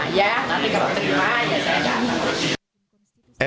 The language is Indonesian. nanti kalau terima ya saya jatuh